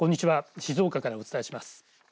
静岡からお伝えします。